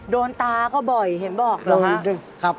โดนตาก็บ่อยเห็นบอกเหรอฮะ